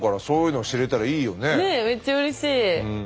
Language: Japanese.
ねっめっちゃうれしい。